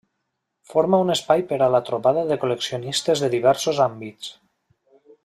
Forma un espai per a la trobada de col·leccionistes de diversos àmbits.